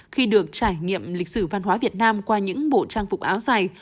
khi được trải nghiệm lịch sử văn hóa việt nam qua những bộ trang phục áo dài